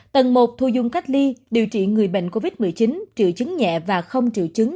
tầng một thu dung cách ly điều trị người bệnh covid một mươi chín triệu chứng nhẹ và không triệu chứng